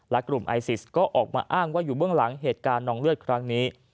และกลุ่มไอซิสก็ออกมาอ้างว่าอยู่เบื้องหลังเหตุการณ์นองเลือดครั้งนี้